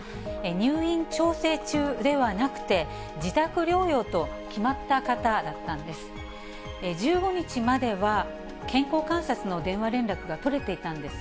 入院調整中ではなくて、自宅療養と決まった方だったんです。